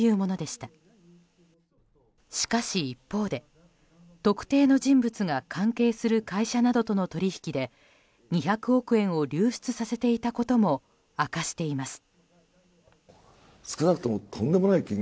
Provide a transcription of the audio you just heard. しかし一方で特定の人物が関係する会社などとの取引で２００億円を流出させていたことも明かしています。